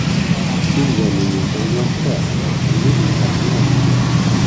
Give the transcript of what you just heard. Imdanen n tɣiwant-a d wid ikerhen adfel.